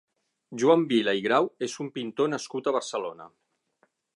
Joan Vila i Grau és un pintor nascut a Barcelona.